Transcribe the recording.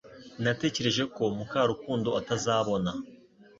Natekereje ko Mukarukundo atazabona